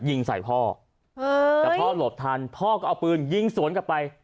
ยิงใส่พ่อแต่พ่อหลบทันพ่อก็เอาปืนยิงสวนกลับไป